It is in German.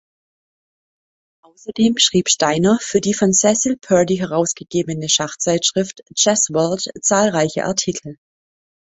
Außerdem schrieb Steiner für die von Cecil Purdy herausgegebene Schachzeitschrift "Chess World" zahlreiche Artikel.